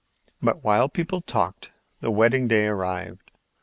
But while people talked the wedding day arrived.